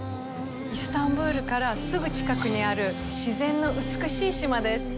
イスタンブールからすぐ近くにある自然の美しい島です。